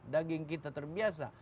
daging kita terbiasa